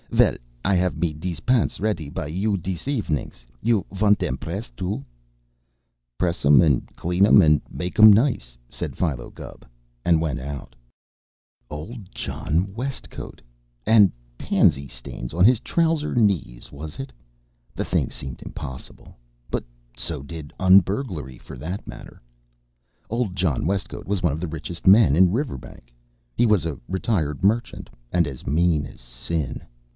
Vell, I have me dese pants retty by you dis efenings. You vant dem pressed too?" "Press 'em, an' clean 'em, an' make 'em nice," said Philo Gubb, and went out. [Illustration: UNDER HIS ARM HE CARRIED A SMALL BUNDLE] Old John Westcote, and pansy stains on his trouser knees, was it? The thing seemed impossible, but so did un burglary, for that matter. Old John Westcote was one of the richest men in Riverbank. He was a retired merchant and as mean as sin.